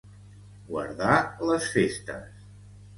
Guardar les festes.